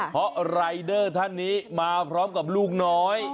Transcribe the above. เพราะรายเดอร์ท่านนี้มาพร้อมกับลูกน้อย